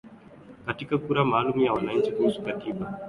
Katika kura maalumu ya wananchi kuhusu katiba